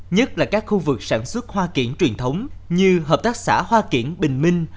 nhất là các khu vực sản xuất hoa kiển truyền thống như hợp tác xã hoa kiển bình minh